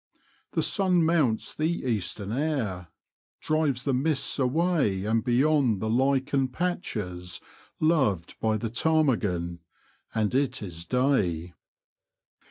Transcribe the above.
The sun mounts the Eastern air, drives the mists away and beyond the lichen patches loved by the ptarmigan — and it is day.